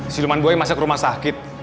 siluman buaya masuk ke rumah sakit